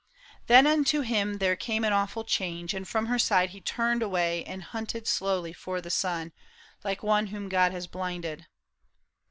" Then unto him there came An awful change, and from her side he turned Away and hunted slowly for the sun Like one whom God has blinded.